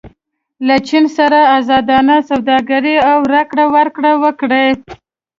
له چین سره ازادانه سوداګري او راکړه ورکړه وکړئ.